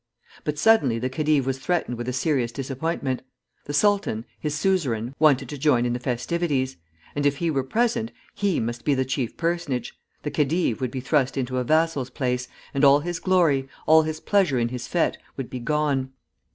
But suddenly the khedive was threatened with a serious disappointment: the sultan, his suzerain, wanted to join in the festivities; and if he were present, he must be the chief personage, the khedive would be thrust into a vassal's place, and all his glory, all his pleasure in his fête, would be gone.